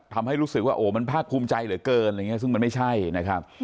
ทำให้รู้สึกว่ามันพาคุ้มใจเหลือเกินซึ่งมันไม่ใช่นะครับ